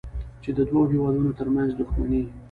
چې د دوو هېوادونو ترمنځ دوښمني